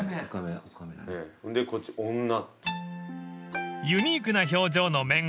そんでこっち女。